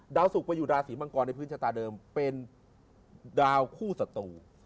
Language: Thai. สุขไปอยู่ราศีมังกรในพื้นชะตาเดิมเป็นดาวคู่ศัตรู